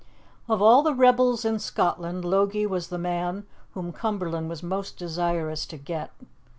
Of all the rebels in Scotland, Logie was the man whom Cumberland was most desirous to get.